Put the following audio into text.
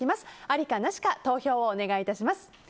ありかなしか投票をお願い致します。